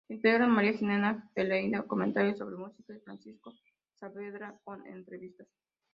Se integran María Jimena Pereyra con comentarios sobre música y Francisco Saavedra con entrevistas.